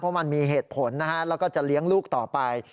เพราะมันมีเหตุผลนะฮะแล้วก็จะเลี้ยงลูกต่อไป